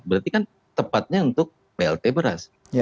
berarti kan tepatnya untuk blt beras